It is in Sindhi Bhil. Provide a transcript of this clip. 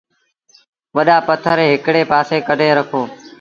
وڏآ پٿر هڪڙي پآسي ڪڍي رکو ۔